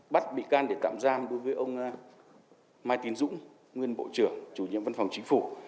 bắt bị can để tạm giam đối với ông mai tiến dũng nguyên bộ trưởng chủ nhiệm văn phòng chính phủ